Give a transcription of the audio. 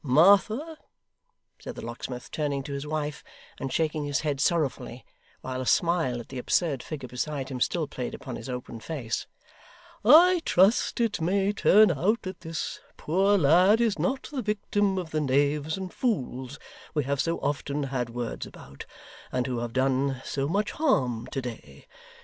'Martha,' said the locksmith, turning to his wife, and shaking his head sorrowfully, while a smile at the absurd figure beside him still played upon his open face, 'I trust it may turn out that this poor lad is not the victim of the knaves and fools we have so often had words about, and who have done so much harm to day.